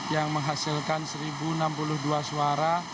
yang menghasilkan seribu enam puluh dua suara